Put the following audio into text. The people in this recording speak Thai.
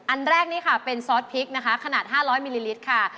อันแรกนี่ค่ะเป็นซอสพริกนะคะขนาด๕๐๐มิลลิลิตรค่ะ